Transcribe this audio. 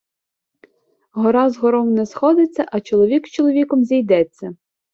Гора з горов не сходиться, а чоловік з чоловіком зійдеться.